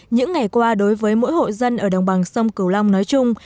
những ngày qua đối với mỗi hộ dân ở đồng bằng sông cửu long nói chung